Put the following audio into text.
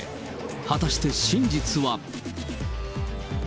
果たして真実は。